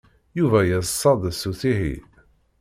Yuba yeḍsa-d s uttihi.